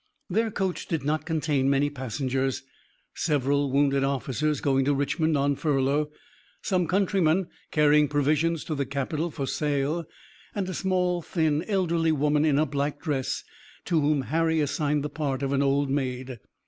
Their coach did not contain many passengers, several wounded officers going to Richmond on furlough, some countrymen, carrying provisions to the capital for sale, and a small, thin, elderly woman in a black dress, to whom Harry assigned the part of an old maid.